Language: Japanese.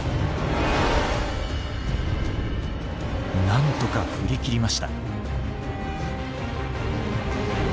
何とか振り切りました。